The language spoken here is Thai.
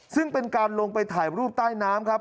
ซึ่งเป็นการลงไปถ่ายรูปใต้น้ำครับ